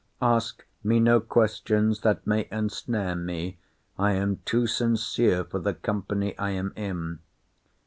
Ask me no questions that may ensnare me. I am too sincere for the company I am in.